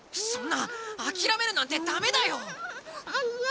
そんなあきらめるなんてダメだよ！